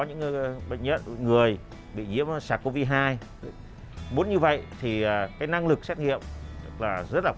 những bệnh nhân người bị nhiễm sars cov hai vốn như vậy thì cái năng lực xét nghiệm là rất là